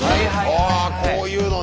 あこういうのね。